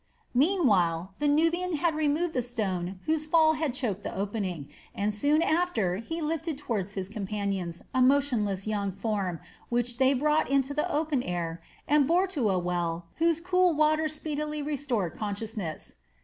Meanwhile the Nubian had removed the stone whose fall had choked the opening, and soon after he lifted toward his companions a motionless young form which they brought into the open air and bore to a well whose cool water speedily restored consciousness.